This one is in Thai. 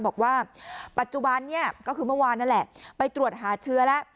บอกว่าปัจจุบันนี้ก็คือเมื่อวานนั่นแหละไปตรวจหาเชื้อแล้ว